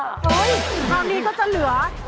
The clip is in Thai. เท่านี้ก็จะเหลือ